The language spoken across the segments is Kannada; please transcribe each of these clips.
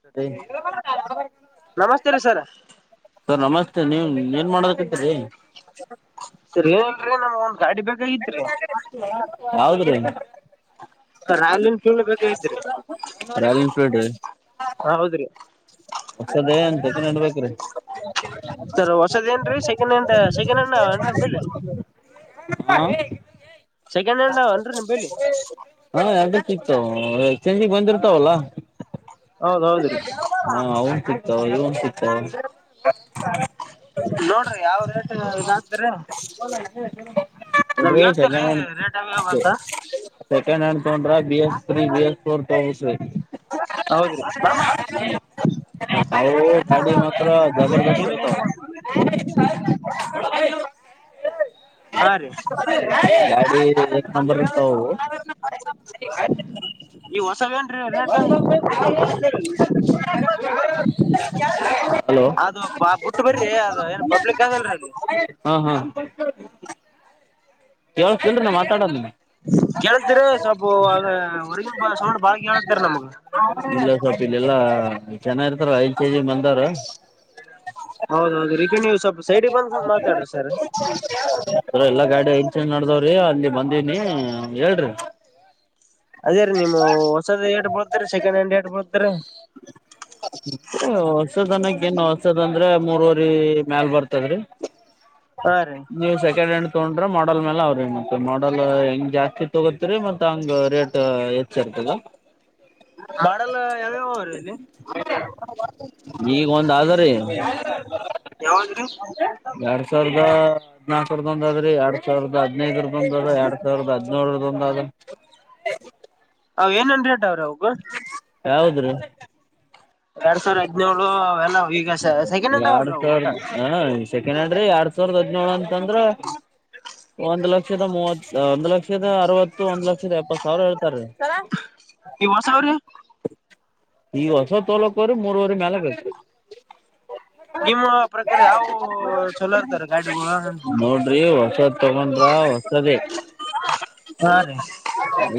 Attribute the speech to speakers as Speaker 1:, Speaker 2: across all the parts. Speaker 1: ಸರಿ
Speaker 2: ನಮಸ್ತೆ ರೀ ಸರ್
Speaker 1: [unintelligible] ಸರ್ ನಮಸ್ತೆ ನಿಮ್ ಎನ್ ಮಾಡಕತಿರಿ
Speaker 2: ಸರ್ ಏನಲ್ರರಿ ನಮ್ಗ ಒಂದ್ ಗಾಡಿ ಬೇಕಾಗಿತ್ರಿ
Speaker 1: ಯಾವ್ದ್ರೀ
Speaker 2: ಸರ್ ರಾಯಲ್ ಫೀಲ್ಡ್ ಬೇಕಾಗಿತ್ರಿ
Speaker 1: ರಾಯಲ್
Speaker 2: ಹೌದ್ರಿ
Speaker 1: ಹೊಸದೆ ಅಂತೆ [unintelligible] ಬೆಕ್ರಿ ಹ
Speaker 2: ಸರ್ ಹೊಸದೇನ್ರೀ ಸೆಕೆಂಡ್ ಹ್ಯಾಂಡ್ ಸೆಕೆಂಡ್ ಹ್ಯಾಂಡ್ ಅವನ್ರಿ ನಿಂಬಲ್ಲಿ
Speaker 1: ಹ
Speaker 2: ಸೆಕೆಂಡ್ ಹ್ಯಾಂಡ್ ಅವನ್ರಿ ನಿಂಬಲ್ಲಿ
Speaker 1: ಎರಡ್ ಸಿಕ್ಕತವ ಅದೆ ಚೇಂಜಿಂಗ್ ಬಂದಿರ್ತಾವಲ್ಲ
Speaker 2: ಹೌದ್ ಹೌದ್ರೀ
Speaker 1: ಅವ್ನು ಸಿಕ್ಕತಾವ ಇವನು ಸಿಗ್ತಾವ
Speaker 2: ನೋಡ್ರಿ ಯಾವ್ ರೇಟ್ ಇದಾ ಆತದ್ರಿ ನಮ್ಗ
Speaker 1: ನೋಡ್ರಿ ಸೆಕೆಂಡ್
Speaker 2: ಹೇಳ್ತೀರಿ
Speaker 1: ಹ್ಯಾಂಡ್
Speaker 2: ರೇಟ್ ಯಾವ್ಯಾವ ಅಂತ
Speaker 1: ತೋಂಡ್ರಾ ಬಿ ಎಸ್ ರಿ ಬಿ ಎಲ್ [unintelligible]
Speaker 2: ಹೌದ್ರಿ ಮಾಮ
Speaker 1: ಹೊ ಸರಿ ಹೌ ಗಾಡಿ ಮಾತ್ರ
Speaker 2: ಜಮೀನ್
Speaker 1: ಜಬರದಸ್ತತ್
Speaker 2: ಏನ್
Speaker 1: ಆಯ್ತ್ [inaudible]
Speaker 2: ಹಾ ರೀ
Speaker 1: ಗಾಡಿ ನಂಬರ್ ಇರ್ತವವು
Speaker 2: ಈ ಹೊಸವೇನ್ರಿ ರೇಟ್
Speaker 1: ಹಲೋ
Speaker 2: ಅದು ಬ ಬಿಟ್ಟು ಬರಿ ಅದು ಏನ್ ಪಬ್ಲಿಕ್ ಆಗಲ್ರಿ ಅಲ್ಲಿ
Speaker 1: ಹೇ ಕುಂದ್ರಿ ಮಾತಾಡೋಣ
Speaker 2: ಕೇಳತರಿ ಸ್ವಲ್ಪ ಆದು ಹೊರ್ಗನ್ ಬ ಸೋ ಬಾಗಿ ಹೇಳ್ತರಿ ನಮಗ
Speaker 1: ಚೆನ್ನಾಗಿರ್ತಾರ ಐದ್ ಕೆಜಿ ಬಂಗಾರ
Speaker 2: ಹೌದೌದು ರಿಟರ್ನ್ ಸ್ವಲ್ಪ ಸೈಡ್ಗೆ ಬಂದು ಮಾತಾಡ್ರಿ ಸರ್
Speaker 1: ನಡದಾವ್ರಿ ಅಲ್ಲಿ ಬಂದಿನಿ ಹೇಳ್ರಿ
Speaker 2: ಅದೇ ರೀ ನೀಮ್ ಹೊಸದ ಹೇಡ್ಬೋದ್ರರಿ ಸೆಕೆಂಡ್ ಹ್ಯಾಂಡ್ ಹೇಡ್ಬೋದ್ರೀ
Speaker 1: ಹೇ ಹೊಷದನಕ್ಕಏನು ಹೊಷದ ಅಂದ್ರೆ ಮೂರ್ವರಿ ಮೇಲ್ ಬರ್ತದ್ರೀ
Speaker 2: ಹಾ ರೀ
Speaker 1: ನೀವು ಸೆಕೆಂಡ್ ಹ್ಯಾಂಡ್ ಗೊಂಡ್ರೆ ಮಾಡಲ್ ಮೇಲೆ ಅವ್ರ ನತ್ತ ಮಾಡಲ್ ಹೆಂಗ್ ಜಾಸ್ತಿ ತಗೋತ್ರಿ ಮತ್ತ್ ಹಂಗ್ ರೇಟ್ ಹೆಚ್ಚು ಇರ್ತದಿ
Speaker 2: ರೇಲು [inaudible]
Speaker 1: ಹು ಈಗ ಒಂದ್ ಆದರಿ ಬೇರೆ
Speaker 2: ಯಾವ್ದ್ರಿ
Speaker 1: ನಾಲ್ಕುಸಾವಿರದೊಂದು ಆದ್ರಿ, ಎರಡ್ ಸಾವಿರದ ಹದಿನೖದುರದೊಂದ ಅದ್ರ, ಎರಡ್ ಸಾವಿರ್ದ ಹದ್ನೋಳರದೊಂದ ಆದ್ರ
Speaker 2: ಅವ ಏನೇನ್ ರೇಟ್ ಅವ್ರರಗು
Speaker 1: ಯಾವುದರೀ
Speaker 2: ಎರಡ್ ಸಾವಿರ ಹದ್ನೇಳು ಅವೆಲ್ಲ ಈಗ ಸೆಕೆಂಡ್ ಹ್ಯಾಂಡ್ಲ್
Speaker 1: ಎರಡ್
Speaker 2: ಅಲ್ಲರೀ ಒಟ್ಟು
Speaker 1: ಸಾವಿರದ ಹ ಸೆಕೆಂಡ್ ಅಂಡ್ರಿ ಎರಡ್ ಸಾವಿರದ ಹದ್ನೇಳು ಅಂತಂದ್ರ ಒಂದ್ ಲಕ್ಷದ ಮೂವತ್ ಒಂದ್ ಲಕ್ಷದ ಅರವತ್ತು ಒಂದ್ ಲಕ್ಷದ ಎಪ್ಪತ್ ಸಾವಿರ ಹೇಳ್ತಾರೀ
Speaker 2: ಯಾಸವ್ರಿ
Speaker 1: ಇಗ ಶಬ್ ತೋಲಕ್ವರಿ ಮೂರವರೆ ಮೇಲೆಗೖತ
Speaker 2: ನಿಮ್ಮ ಪ್ರಕಾರ ಯಾವ ಚಲೋ ಇರ್ತಾರ ಗಾಡಿಗಳು ಅಂತ
Speaker 1: ನೋಡ್ರಿ ಹೊಸದ್ ತಗೊಂಡ್ರ ಹೊಸದೇ
Speaker 2: ಹಾ ರೀ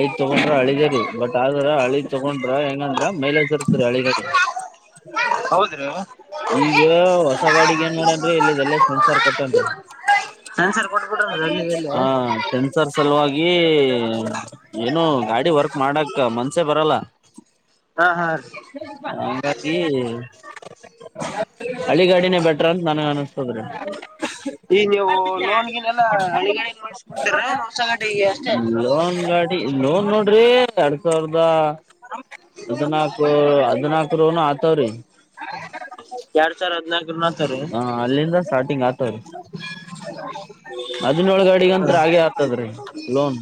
Speaker 1: ಈಗ್ ತಗೊಂಡ್ರ ಹಳಿದರಿ ಬಟ್ ಆದರ ಹಳ ತಗೊಂಡ್ರ ಹೆಂಗ್ ಅಂದ್ರು ಮೈಲೇಜ್ ಬರುತ್ತೆ ರೀ ಹಳೆ ಗಾಡಿ
Speaker 2: ಹೌದ್ರಿ
Speaker 1: ಈಗ ಹೊಸ ಗಾಡಿಗೆ ಏನ್ ಮಾಡೋಡನ್ರಿ ಇಲ್ಲದೆಲ್ಲೇ ಸೆನ್ಸಾರ್ ಕೊಟ್ಟೆನ್ದ್ರು
Speaker 2: ಸೆನ್ಸರ್ ಕೊಟ್ಬಿಟ್ರನ್ರಿ ಅಲ್ಲಿ ಇಲ್ಲಿ
Speaker 1: ಆ ಸೆನ್ಸಾರ್ ಸಲುವಾಗಿ ಏನು ಗಾಡಿ ವರ್ಕ್ ಮಾಡಕ ಮನ್ಸೆ ಬರಲ್ಲ
Speaker 2: ಹಾ ಹಾ ರೀ
Speaker 1: ಹಾಗಾಗಿ ಹಳೆಗಾಡಿನೇ ಬೇಟ ನನಗೆ ಅನಿಸ್ತದ್ರಿ
Speaker 2: ಈಗ ನೀವು ಲೋನ್ ಗೀನ್ ಎಲ್ಲಾ ಹಳಿಗಡೆ ಮಾಡಿಸ್ಕೊಡ್ತೀರ ಹೊಸ ಗಾಡಿಗೆ ಅಷ್ಟೇ ರೀ
Speaker 1: ಲೋನ್ ಗಾಡಿ ಇ ಲೋನ್ ನೋಡ್ರಿ ಎರಡ್ ಸಾವಿರದ ಹದಿನಾಲ್ಕು ಆದ್ರೂನೂ ಆತಾರಿ
Speaker 2: ಎರಡ್ ಸಾವಿರ ಹದ್ನಾಲ್ಕರ ಅಂತಾರಿ
Speaker 1: ಹಾ ಅಲ್ಲಿಂದ ಸ್ಟಾರ್ಟಿಂಗ್ ಆಗ್ತವ್ರೀ [unintelligible] ಆದಿ ನೇಳು ಗಾಡಿಗಂತ್ರು ಹಾಗೆ ಆಗ್ತದ್ರೀ ಲೋನ್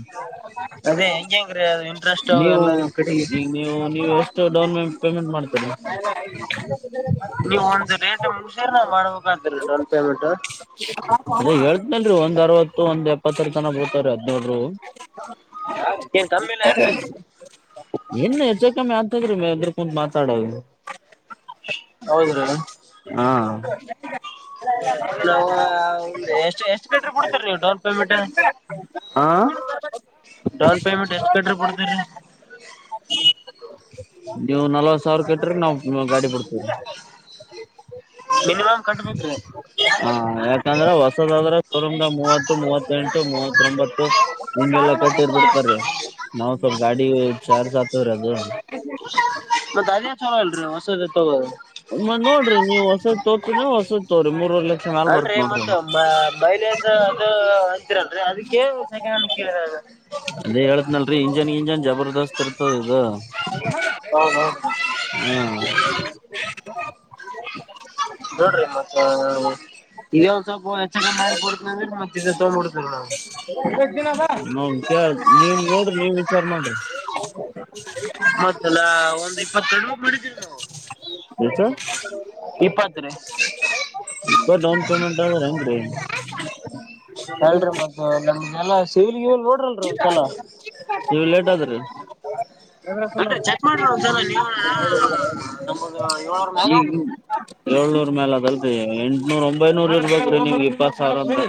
Speaker 2: ಅದೇ ಹೆಂಗ ಹೆಂಗ್ರೀ ಅದು ಇಂಟ್ರೆಸ್ಟ್
Speaker 1: ನೀವು
Speaker 2: ಎಲ್ಲಾ ನಿಮ್
Speaker 1: ಈಗ ನೀವು ನೀವು ಎಷ್ಟು ಡೌನ್ ಪೇಮೆಂಟ್ ಮಾಡ್ತೀರಿ
Speaker 2: ನೀವು ಒಂದ ರೇಟ್ ಮುಗಿಸಿರಿ ನಾನ್ ಮಾಡ್ಬೇಕಂತಲ್ಲ ಡೌನ್ ಪೇಮೆಂಟ್
Speaker 1: ಅದ್ನೇಲ್ರಿ ಒಂದ್ ಅರ್ವತ್ತು ಒಂದ್ ಎಪ್ಪತ್ತರ ತನ ಬೀ ತಾವೀ ರಿ ಹದ್ನೋಡ್ರು
Speaker 2: ಏನ್ ಕಮ್ಮಿ ಇಲ್ಲ ಏನ್ರೀ
Speaker 1: [unintelligible] ಇನ್ ಹೆಚ್ಚು ಕಮ್ಮಿ ಅಂತದ್ರೀ [unintelligible] ಡ್ ಮಾತಾಡೋದು
Speaker 2: ಹೌದ್ರಿ
Speaker 1: ಹಾ
Speaker 2: ನಾವು ಎಷ್ಟ್ ಎಷ್ಟು ಕಟ್ರೆ ಬಿಡ್ತರಿ ಡೌನ್ ಪೇಮೆಂಟ್
Speaker 1: ಆ
Speaker 2: ಡೌನ್ ಪೇಮೆಂಟ್ ಎಷ್ಟು ಕಟ್ರ ಬಿಡ್ತೀರಿ
Speaker 1: ನಲ್ವತ್ತು ಸಾವರು ಕಟ್ರೆ ನಾವ್ ನಿ ಗಾಡಿ ಬಿಡ್ತವಿ
Speaker 2: ಮಿನಿಮಮ್ ಕಟ್ಬೇಕ್ರಿ
Speaker 1: ಹಾ ಅಂದ್ರೆ ಹೊಸದಂದ್ರೆ ಮೂವತ್ತು ಮೂವತ್ತೆಂಟು ಮೂವತ್ತೊಂಬತ್ತು ಇಂಗದವ ಬಿಟ್ಟೆ ಬಿಡ್ತಾರೀ ನಾವು ಸ್ವಲ್ಪ ಗಾಡಿ ಚಾರ್ಜ್ ಅತಾದ್ ರಿ ಅದು
Speaker 2: ಮತ್ತಅದೇ ಚೊಲೋ ಅಲ್ರರಿ ಹೊಸದ ತಗೊಳ್ಳೋದು
Speaker 1: ಮ ನೋಡ್ರಿ ನೀವು ಹೊಸದ್ [unintelligible] ಬರ್ತ್
Speaker 2: ಅಲ್ರರಿ
Speaker 1: ನೋಡ್ರಿ
Speaker 2: ಮತ್ತ ಮೈಲೇಜ್ ಅದು ಅಂತಿರಲ್ರಿ ಅದಕ್ಕೆ ಸೆಕಂಡ್ ಕೇಳಿದೆ
Speaker 1: ಅದೇ ಹೇಳೇತ್ನಲ್ರಿ ಇಂಜನ್ ಇಂಜನ್ ಜಬರ್ದಸ್ತ್ ಇರ್ತದ ಇದು
Speaker 2: ಹೌದ ಹೌದು ನೋಡ್ರಿ ಮತ್ತೆ ಇದೇ ಒಂದ್ ಸ್ವಲ್ಪ ಎಚ್ಚ ಮಾಡಿ ಕೊಡ್ತೇ ಅಂದ್ರೀ ಮತ್ ಇದ ತಗೊಂಡ್ಬಿಡ್ತೇ ನಾವು
Speaker 1: ನಾವ್ ಕೆಳ್ ನೀವ್ ನೋಡ್ರಿ ನೀವ್ ವಿಚಾರ ಮಾಡ್ರಿ
Speaker 2: ಮತ್ತಲ್ಲಾ
Speaker 1: [unintelligible]
Speaker 2: ಒಂದ್ ಇಪ್ಪತ್ತೆರಡು ಬಿಡಿತಿವಿ ನಾವು
Speaker 1: ಕೆಸ
Speaker 2: ಇಪ್ಪತ್ ರೀ
Speaker 1: ಡೌನ್ ಪೇಮೆಂಟ್ ಆದ [unintelligible]
Speaker 2: ಎಲ್ಲೋ [unintelligible]
Speaker 1: ನೀವು ಲೇಟ್ ಆದ್ರಿ [unintelligible]
Speaker 2: ಅಲ್ರಿ ಚೆಕ್ ಮಾಡ್ರಿ ಒಂದ್ಸಲ ನೀವ ನಮಗ ಏಳ್ನೂರ್ ಮ್ಯಾಗ
Speaker 1: ಈ
Speaker 2: ಆದ್ರಿ
Speaker 1: ಏಳ್ನೂರ್ ಮೇಲ್ ಅದಲ್ ಅ ಎಂಟನೂರ ಒಂಬೈನೂರ ಇರ್ಬೇಕ್ರೀ ನಿಮ್ ಇಪ್ಪತ್ ಸಾವಿರ ಅಂತ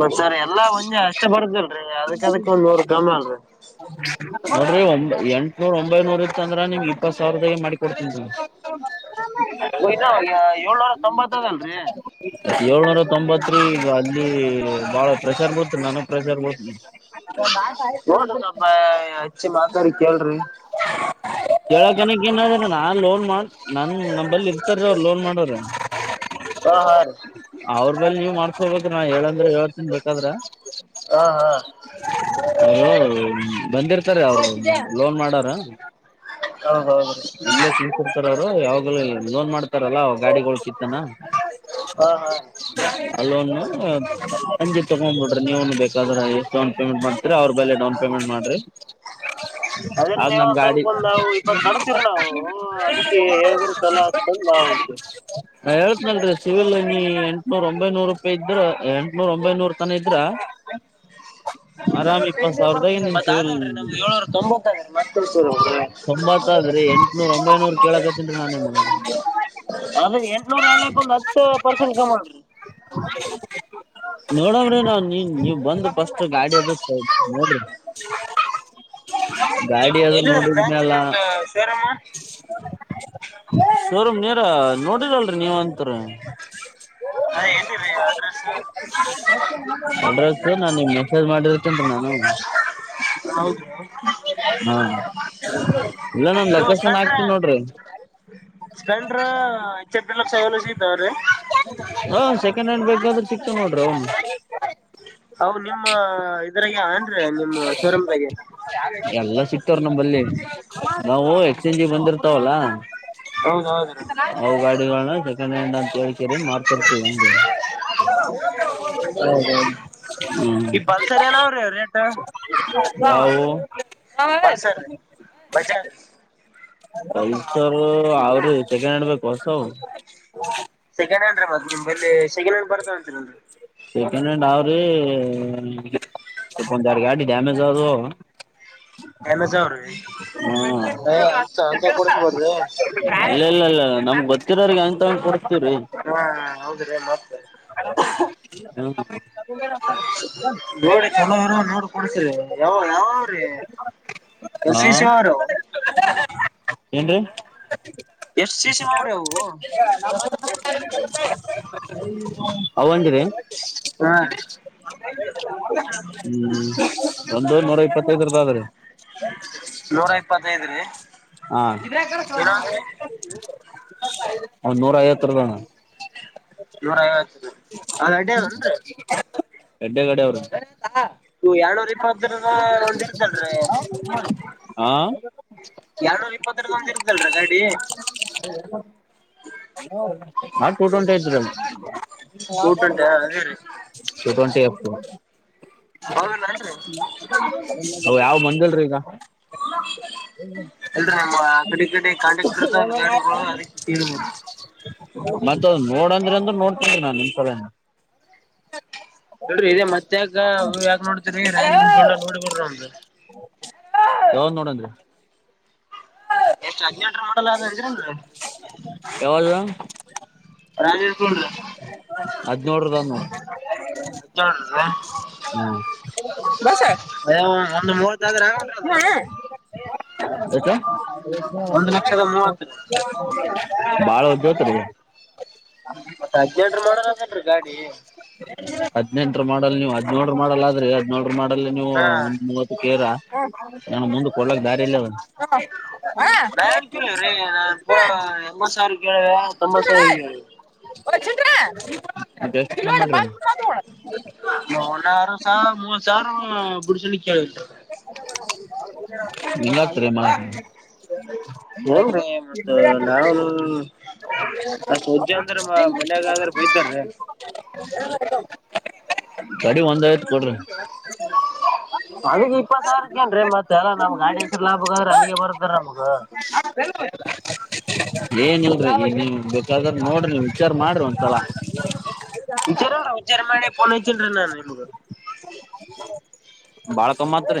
Speaker 2: ಬಸಾರೆ ಎಲ್ಲಾ ಒಂಜೆ ಅಷ್ಟೇ ಬರ್ದರು ಅದಕ್ಕ ಅದಕ್ ಒಂದ್ ನೂ ಕಾಮ ಅಲ್ರಿ
Speaker 1: ೀ ಒ ಎಂಟನೂರ ಒಂಬೈನೂರ ಇತ್ತ ಅಂದ್ರೆ ನಿಮ್ಗೆ ಇಪ್ಪತ್ ಸಾವಿರದಾಗ ಮಾಡಿ ಕೊಡ್ತೀನ್ಿ
Speaker 2: ಇನ್ನ ಏಳ್ನೂರ ತೊಂಬತ್ತದ ಅಲ್ರಿ
Speaker 1: ಏಳ್ನೂರ ತೊಂಬತ್ ಈಗ ಅಲ್ಲಿ ಬಾಳ ಪ್ರೆಸರ್ ಬರ್ತ ನನಗ್ ಪ್ರೆಸರ್ ಬರ್ತಿಲ್ಲ
Speaker 2: ನೋಡ್ರಿ ಸ್ವಲ್ಪ ಹಚ್ಚಿ ಮಾತಾಡಿ ಕೇಳ್ರಿ
Speaker 1: ಕಕನ ಏನಾದ್ರ ನಾ ಲೋನ್ ಮಾಡ ನ ನ ಇರ್ತಾರ ಲೋನ್ ಮಾಡ್ರ
Speaker 2: ಹಾ ಹಾ ರೀ
Speaker 1: ಅವ ನೀವು್ ಹೋಗದ ನಾ ಹೇಳಂದ್ರೆ ಯಏರ್ ತಿನ್ ಬೇಕಾದ್ರ
Speaker 2: ಹಾ ಹಾ
Speaker 1: ಅವರು ಬಂದಿರ್ತಾರೆ ಅವ್ರು ಲೋನ್ ಮಾಡಾರ
Speaker 2: ಹೌದೌದ್ರಿ
Speaker 1: ಡ್ತರ ಯಾವಾಗಲ ಲೋನ್ ಮಾಡ್ತ ಲ್ಲ ಗಾಡಿಗಳಳ ಕಿತ್ತನಾ
Speaker 2: ಹಾ ಹಾ
Speaker 1: ಅಲ್ಲನು ಸಂಜಿ ತಗೊಂಡ್ಬಿಟ್ರಿ ನೀವನು ಬೇಕಾದ್ರೆ ಎಷ್ಟೊ ತ ಅವ್ರ ಬೆಲೆ ಡೌನ್ ಪೇಮೆಂಟ್ ಮಾಡ್ರಿ ಆದದ ನಮ್ ಗಾಡಿ
Speaker 2: ಕಡ್ತೀರ ನಾವು ಅದಕ್ಕೆ ಹೇಳಿದ್ರ ಚಛಲೋ ಆತಂದ ನಾವತೆ
Speaker 1: ನಾ ಹೇಳ್ತನ್ರೀ ಸಿವಿಲ್ ನೀ ಎಂಟನೂರ ಒಂಬೈನೂರು ರೂಪಾಯಿ ಇದ್ರ ಎಂಟನೂರ ಒಂಬೈನೂರ ತನ ಇದ್ರ ಆರಾಮ್ ಇಪ್ಪತ್ ಸಾವಿರದಾಗ ನಿನ್
Speaker 2: ಮತ್ತ
Speaker 1: ಸಿವಿಲ್
Speaker 2: ಅದಲ್ೀ ನಮ್ದ ಏಳ್ನೂರ ತೊಂಬತ್ತ ಅದ್ರೀ ಮತ್ತಸೂರುಿ
Speaker 1: ಒಂಬತ್ ಆದ್ರಿ ಎಂಟನೂರ ಒಂಬೈನೂರ್ ಕೇಳಕತ್ತನ್ಿ ನಾನೇ ಮಾಡಡ
Speaker 2: ಅದ್ರ ಎಂಟ್ನೂರ ಆಲಕ್ ಒಂದ್ ಹತ್ತು ಪರ್ಸೆಂಟ್ ಕಮ್ಮಿ ಮಾಡ್ರಿ
Speaker 1: ನೋಡಣಿ ನಾನ್ ನೀ ನೀವ್ ಬಂದ ಸ್ು ಗಾಡಿ ಅದು ನೋಡ್ರಿ ಗಾಡಿ ಅದು ನೋಡ
Speaker 2: ಚ ಚದ ಸೇರಮ್ಮ
Speaker 1: ನೋಡರಲ್ರರಿ ನೀವ್ ಅಂತರ
Speaker 2: ಹ ಎಲ್ಲಿ ರ ಅಡ್ರೆಸ್
Speaker 1: ಅಡ್ರೆಸ್ ನಾನ್ ನಿಮ್ಗ್ ಮೆಸೇಜ್ ಮಾಡಿರ್ತೇನ್ರಿ ನಾನು
Speaker 2: ಹೌದು
Speaker 1: ಹಾ ಇಲ್ಲ ನಾನ್
Speaker 2: ಇದು
Speaker 1: ಲೊಕೇಶನ್
Speaker 2: ಸ್ಪೆಂಡ್ರ
Speaker 1: ಹಾಕ್ತಿನ್ ನೋಡ್ರಿ
Speaker 2: ಸ್ಪೆಂಡ್ರ ಇಚ್ಚೆರಡು ಲಕ್ಷ ಎಲ ಸಿತಾವ್ರೀ
Speaker 1: ಹ ಸೆಕೆಂಡ್ ಹ್ಯಾಂಡ್ ಬೈಕ್ ಆದ್ರೂ ಸಿಕ್ತವ ನೋಡ್ರಿ
Speaker 2: ಹ ನಿಮ್ಮ ಇದ್ರಾಗ ಅಏನ್ೀ ನಿಮ್ಮ ಶೋರೂಮದಾಗೆ
Speaker 1: ಎಲ್ಲ ಸಿಕ್ತವ್ ನಾವು ಎಕ್ಸ್ಚೇಂಜ ಬಂದ ಲ್ಲ
Speaker 2: ಹೌದೌದ್ರೀ
Speaker 1: ಹೌ ಗಾಡಿ ಗಲ್ಲ [inaudible] ಕಳ್ ಕರಿ ಏನ್ ಮಾಡ್ತರ್ತೀವಿ
Speaker 2: ಹೌದೌದು
Speaker 1: ಹಗೆ ಹ್ಮ್
Speaker 2: ಈ ಪಲ್ಸರ್ ಏನಾವ್ರೀ ರೇಟ್
Speaker 1: ನಾವು ಹತ್ತು
Speaker 2: ಒನ್ಸರ್ೀ ಬಜನ್
Speaker 1: ಪರು ಆರಿ ಸಕೆಂಡ ಹಂಡ ಬಸ
Speaker 2: ಸೆಕಂಡ್ ಹ್ಯಾಂಡ್ರ ಮತ್ತ ನಿಮ್ಮಲ್ಲಿ ಸೆಕಂಡ್ ಹ್ಯಾಂಡ್ ಬರ್ತ ಉಂತೀೀ
Speaker 1: ಸೆಕೆಂಡಂಡ್ ಅವ್ರೀ ಕೊಂದುಡು ಗಾಡಿ ಡ್ಯಾಮೇಜ್ ಆದದು
Speaker 2: ಅಮೆಜನ್ ರೀ ಅಂತ ಅಂತ ಕೊಡಿಸಬಾರ್ದ
Speaker 1: ನಮ್ ಬರ್ತಿರೋರಿಗೆಂತ ಹರಿ
Speaker 2: ಹೌದ್ರೀ ಮತ್
Speaker 1: ಹೌ
Speaker 2: ನೋಡಿ ಚಲೋಾರ ನೋಡಿ ಕೊಡ್ತರಿ ಯಾವ ಯಾವ್ರೀ
Speaker 1: ಹಾ
Speaker 2: ಎಸಶ ಯಾರ
Speaker 1: ಏನು ಹ್ಮ
Speaker 2: ಅವ್ರಿ ಅವು
Speaker 1: ಅವಂಗಿರಿೀ
Speaker 2: ಹಾ
Speaker 1: ಹ್ಮ್ ಒಂದೂ ನೂರ ಇಪ್ಪತ್ತೈದರದ ಅದ್ರೀ
Speaker 2: ನೂರ [inaudible]
Speaker 1: ಹಾಂ ಇ್ರ ಕ ಸೋಣ
Speaker 2: ಏನಂದ್ರಿ
Speaker 1: ಅನ್ನೂರ ಐವತ್ತು ರೂಪಾನ
Speaker 2: ನೂರ ಐವತ್ತು ಅದ ಅಡ್ಡ ಅದನ್ರೀ
Speaker 1: ಎಡ್ಡೆ ಕಡೆ ಅವರು
Speaker 2: ಹ ಎಳ್ನೂರ್ ಇಪ್ಪತ್ತ್ರ ಒಂದ ಇರ್ತಲ್ರಿೀ
Speaker 1: ಹ ಟು ಟ್ವೆಂಟಿ ಟು
Speaker 2: ಸೂಟ್ ಉಂಟ ಅದೇ ರೀ
Speaker 1: ಟ್ವೆಂಟಿ ಹ
Speaker 2: ಹೌದಲ್ರಿ ಅಲ್ರಿ
Speaker 1: ಅ ಯಾವ ಮಂದಲ್ರೀ ಈಗ [inaudible]
Speaker 2: ನಮ್ಮ ಕಡೆ ಕಡೆ ಕಾಂಟ್ಯಾಕ್ಟ್ ಇರ್ತಾವಲ್ ಗಾಡಿಗಳು ಅದಕ್ಕೆ ಕೇಳಿದ್ರಿ ನೋಡ್ರಿ
Speaker 1: ಮತ್ತ ನೋಡಂದ್ರ ಅಂದರು ನೋಡ್ತನಿ ನಾನ್ ಈ ಸಲೇ
Speaker 2: ಹೇಳ್ರಿ ಇದೇ ಮತ್ತ ಯಗ ಯಾಕ ನೋಡ್ತರಿ ರಂಡ ನೋಡಿ ಬಿಡ್ರಿ ಒಮ್ದ್
Speaker 1: ಯಾವದ ನೋಡನ್ರಿ
Speaker 2: ಎಷ್ಟ
Speaker 1: ಯಾವದು
Speaker 2: ರಾಜ್
Speaker 1: ಹದ್ನೋಡ್ರದ ನೋಡ
Speaker 2: ಒಂದ ಮೂತ್ತ ಆದ ರ್ರ ಅದು
Speaker 1: ಹ ಆಕ
Speaker 2: ಒಂದ್ ಲಕ್ಷದ ಮೂವತ್ತು ರೀ
Speaker 1: ಬಾಳ ಜತರಿಗೆ
Speaker 2: ಮತ್ತ ಹದ್ನೆಂಟ ರ ಮಾಡಕ್ ಹಕಲ್ರಿ ಗಾಡಿ
Speaker 1: ಹದನೆಂಟರ ಮಾಡಲ್ ನೀವು ಹದ್ನೇಳರು ಮಾಡಲ್ ಆದ್ರೆ ಹೇಳ್ ನೋ ಒ ಮಾಡಲ್ಲ ನೀವು
Speaker 2: ಹಾ
Speaker 1: ಒಂದ್ ಮೂವತ್ತು ಕೇರ ನಾನು ಮುಂದೆ ಕೊಡ್ಲಕ್ ದಾರಿ ಎಲ್ಲಾ ಆದ ಹ ಹಾ
Speaker 2: ಏನ್ ಕೇಳಿವ್ರಿ ಅ ನಾ ಪೂರಾ ಎಪ್ಪತ್ ಸಾವಿರ ಕೇಳದೆ ತೊಂಬತ್ ಸಾವಿರ ಕೇಳ್
Speaker 1: ಹ [inaudible]
Speaker 2: ಮನಾರ ಸಹ ಮೂವತ ಸಾವಿರ ಬುಡಸಿ ನು ಕೇಳಿದ್ರು
Speaker 1: [inaudible] ನಿನ ಏನ್ ಮಾಡ್
Speaker 2: ಹೌದ್ರಿ ಮತ್ತ ನಾವನು ಅಷ್ಟ್ ವಜ್ಜಿ ಅಂದ್ರ ಮನ್ಯಾಗ ಆದ್ರ ಬೈತಾರ್ರೀ.
Speaker 1: ತಡಿ ಒಂದ ನಿ ಕೊಡ್ರಿ
Speaker 2: ಅಲ್ಲಿಗ್ ಇಪ್ಪತ್ ಸಾವರಕ್ಕೇನ್ರೀ ಮತ್ತೆ ಎಲ್ಲ ನಮ್ಗ್ ಗಾಡಿ ಹೆಸರು ಲಾಭಕ್ಕ ಆದ್ರ ಅಲ್ಲಿಗೆ ಬರ್ದಾರ ನಮ್ಗ
Speaker 1: ಹ ಬೇಕಾದ್ರ ನೋಡ್ರಿ ವಿಚಾರ ಮಾಡ್ರಿ ಒಂದ್ಸಲ
Speaker 2: ವಿಚಾರನ್ರ ವಿಚಾರ ಮಾಡಿ ಪೋನ್ ಹಚಿನ್ರ ನಾನ ನಿಮಗ
Speaker 1: ಭಾಳ ತೋ ಮಾತ್ರ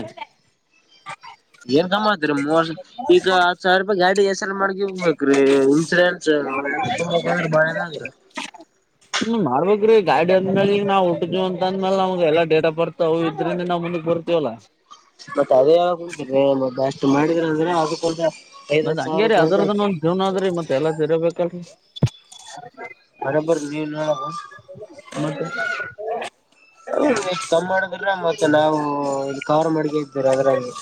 Speaker 2: ಏನ್ ಕಮ್ಮ ಆತರಿ ಮೂವರ್ ಈಗ ಹತ್ ಸಾವಿರ ರೂಪಾಯಿ ಗಾಡಿ ಹೆಸರು ಮಾಡ್ಗಿ ಹೋಗ್ಬೇಕ್ರೀ ಇನ್ಸೂರೆನ್ಸ್ ಎಲ್ಲ ತಂಬಂದ್ರ ಬಾಳೆದಗ್ರಿ
Speaker 1: ಇಲ್ರಿ ಗಾಡಿ ಅಂದ ಮ್ಯಾಗ್ ನಾವು ಅಂತ ಅಂದ್ಮೇಲೆ ಅವ್ ಎಲ್ಲ ಡೇಟ ಬರ್ತಾವು ಇದ್ರಿಂದ ನಾ ಬ ಲ್ಲ
Speaker 2: ಮತ್ತತ್ ಅದೇ ಯ ಉಂಟಿ ಮ ಅಷ್ಟು ಮಾಡಿದ್ರ ಅಂದ್ರೆ ಆಗಕ್
Speaker 1: ಮತ್ತ್ ಹಂಗೇರಿ ಅದ್ರದನ್ನ ಒಂದ್ ಜೀವನ ಆದ್ರೀ ಮತ್ ಎಲ್ಲಾ ತಿರೋಬೇಕು ಕೆ
Speaker 2: ಬರಬರ್ ನೀವೂ ಹೇಳೋದು
Speaker 1: [inaudible]
Speaker 2: ನಿವ ಕಮ್ಮ ಮಾಡಿದ್ರ ಮತ್ತೆ ನಾವು ಇ ಕವರ್ ಮಾಡಕೋತೀವಿ ಅದ್ರಾಗೆ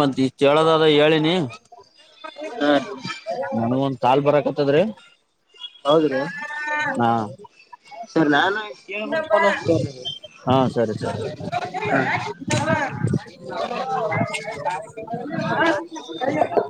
Speaker 1: ಮತ್ರಿ ಕೇಳೋದ ಅದ ಹೇಳಿನಿ
Speaker 2: ಹಾ
Speaker 1: ನಮುಗು ತಾಲ್ ಬರಕತ್ತದ್ರೀ
Speaker 2: ಹೌದ್ರಿ
Speaker 1: ಹಾ
Speaker 2: ಸರ್ ನಾನು ಕೇಳ್ಬಿಟ್ಟು ಫೋನ್ ಹಚ್ತೇನ್ರಿ
Speaker 1: ಹಾ ಸರಿ ಸರಿ
Speaker 2: ನಿಮ್ಗೆ.
Speaker 1: [inaudible]